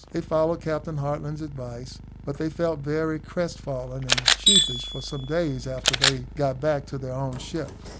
They followed Captain Hartland's advice, but they felt very crestfallen and sheepish for some days after they got back to their own ship.